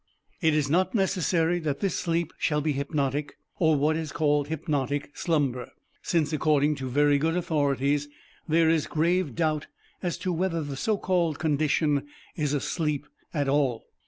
It is not necessary that this sleep shall be hypnotic, or what is called hypnotic slumber, since, according to very good authorities, there is grave doubt as to whether the so called condition is a sleep at all.